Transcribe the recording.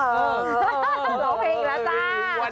ร้องเพลงแล้วจ้า